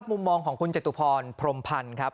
มุมมองของคุณจตุพรพรมพันธ์ครับ